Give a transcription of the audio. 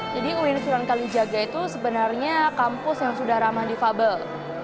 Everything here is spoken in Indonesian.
jadi universitas kalijaga itu sebenarnya kampus yang sudah ramah di fabel